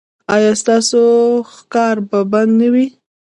ایا ستاسو ښکار به بند نه وي؟